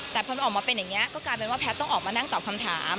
แต่พอมันออกมาเป็นอย่างนี้ก็กลายเป็นว่าแพทย์ต้องออกมานั่งตอบคำถาม